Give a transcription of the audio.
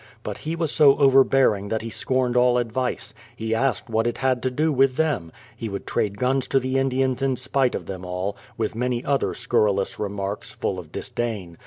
But he was so overbearing that he scorned all advice; he asked what it had to do with them; he would trade guns to the Indians in spite of them all, with many other scurrilous remarks, full of disdain.